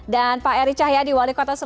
dan pak eri cahyadi